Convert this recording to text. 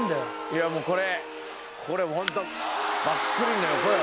いやもうこれこれホントバックスクリーンの横よ。